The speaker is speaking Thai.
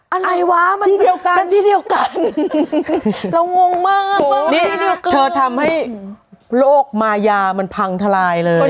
อะไรวะมันเดียวกันมันที่เดียวกันเรางงมากนี่เธอทำให้โรคมายามันพังทลายเลย